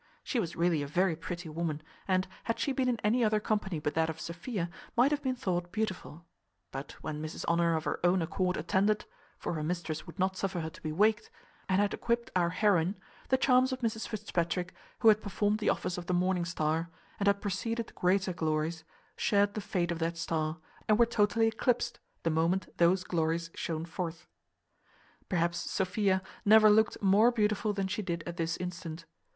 She was really a very pretty woman, and, had she been in any other company but that of Sophia, might have been thought beautiful; but when Mrs Honour of her own accord attended (for her mistress would not suffer her to be waked), and had equipped our heroine, the charms of Mrs Fitzpatrick, who had performed the office of the morning star, and had preceded greater glories, shared the fate of that star, and were totally eclipsed the moment those glories shone forth. Perhaps Sophia never looked more beautiful than she did at this instant.